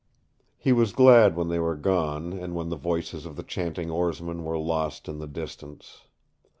He was glad when they were gone and when the voices of the chanting oarsmen were lost in the distance.